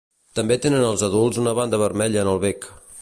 També tenen els adults una banda vermella en el bec.